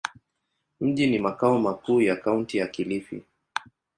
Mji ni makao makuu ya Kaunti ya Kilifi.